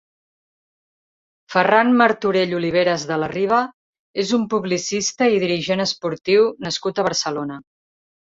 Ferran Martorell Oliveras de la Riva és un publicista i dirigent esportiu nascut a Barcelona.